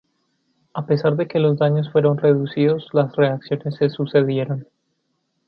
A pesar de que los daños fueron reducidos, las reacciones se sucedieron.